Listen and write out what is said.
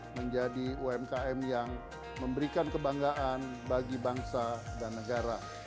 menjadi umkm yang memberikan kebanggaan bagi bangsa dan negara